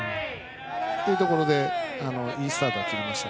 ということでいいスタートを切りました。